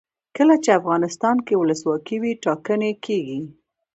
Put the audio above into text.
کله چې افغانستان کې ولسواکي وي ټاکنې کیږي.